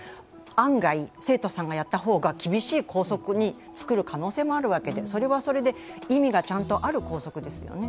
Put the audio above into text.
案外、生徒さんがやった方が厳しい校則を作る可能性もあるわけで、それはそれで意味がちゃんとある校則ですよね。